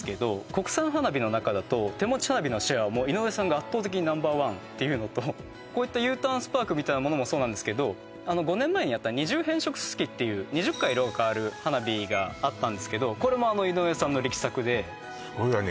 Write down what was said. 国産花火の中だと手持ち花火のシェアはもう井上さんが圧倒的にナンバーワンっていうのとこういったユーターンスパークみたいなものもそうなんですけど５年前にやった２０変色すすきっていう２０回色が変わる花火があったんですけどこれもあの井上さんの力作ですごいわね